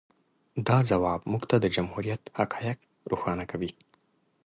د ځواب موږ ته د جمهوریت حقایق روښانه کوي.